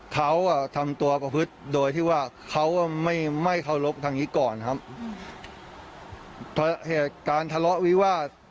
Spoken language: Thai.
เขาอ่ะทำตัวประพฤติโดยที่ว่าเขาไม่ไม่เคารพทางนี้ก่อนครับเพราะเหตุการณ์ทะเลาะวิวาส